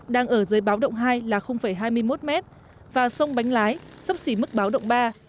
đang ở dưới báo động hai là hai mươi một m và sông bánh lái sấp xỉ mức báo động ba